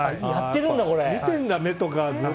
見てるんだ、目とか。